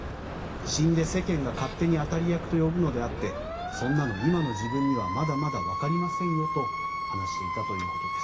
死んで世間が勝手に当たり役と呼ぶのであってそんなの今の自分にはまだまだわかりませんよと話していたということです。